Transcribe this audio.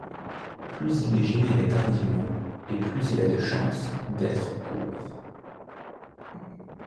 Plus il est généré tardivement et plus il a de chances d'être court.